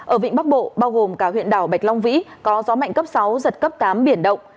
ở vịnh bắc bộ bao gồm cả huyện đảo bạch long vĩ có gió mạnh cấp sáu giật cấp tám biển động